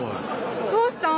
「どうしたん？」